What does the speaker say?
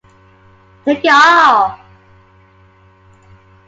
Take it off!